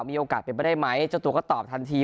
มีโอกาสเตรไปได้ไหมตัวก็ตอบทันที